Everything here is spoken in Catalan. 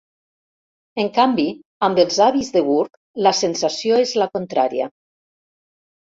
En canvi, amb els avis de Gurb la sensació és la contrària.